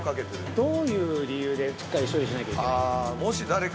◆どういう理由でしっかり処理しなきゃいけないんですか。